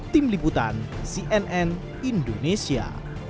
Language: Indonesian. tim liputan cnn indonesia